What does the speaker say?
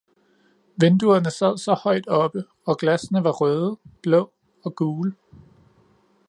Vinduerne sad så højt oppe og glassene var røde, blå og gule